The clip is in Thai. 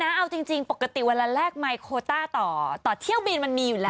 เอาจริงปกติเวลาแลกไมค์โคต้าต่อเที่ยวบินมันมีอยู่แล้ว